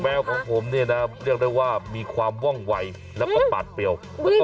แมวของผมเนี่ยนะเรียกได้ว่ามีความว่องวัยแล้วก็ปาดเปรียว